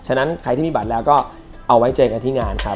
ฉะนั้นใครที่มีบัตรแล้วก็เอาไว้เจอกันที่งานครับ